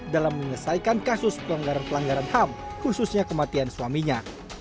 dalam menyelesaikan kasus pelanggaran pelanggaran ham khususnya kematian suaminya